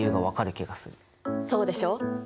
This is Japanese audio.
そうでしょ？